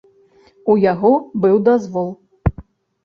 У яго быў дазвол.